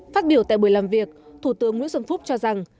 phát biểu tại buổi làm việc thủ tướng nguyễn xuân phúc cho rằng